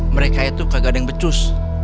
mereka itu kagak ada yang becus